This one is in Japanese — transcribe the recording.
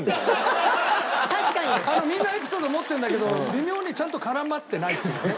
みんなエピソード持ってるんだけど微妙にちゃんと絡まってないっていうね。